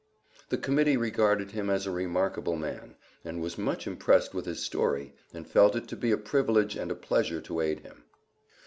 The Committee regarded him as a remarkable man, and was much impressed with his story, and felt it to be a privilege and a pleasure to aid him.